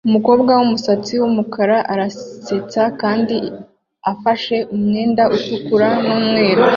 Umukobwa wumusatsi wumukara arasetsa kandi afashe umwenda utukura numweru